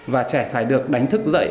và trẻ phải được đánh thức dậy